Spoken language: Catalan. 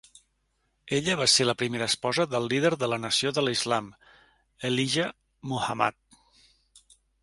Ella va ser la primera esposa del líder de la Nació de l'Islam, Elijah Muhammad.